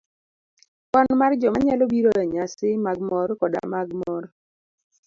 Kwan mar joma nyalo biro enyasi mag mor koda mag mor,